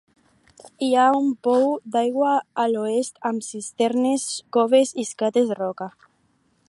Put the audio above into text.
Hi ha un pou d'aigua a l'oest, amb cisternes, coves i escates de roca.